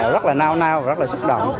rất là nao nao rất là xúc động